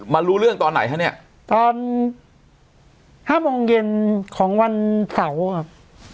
รู้เรื่องตอนไหนคะเนี่ยตอนห้าโมงเย็นของวันเสาร์ครับ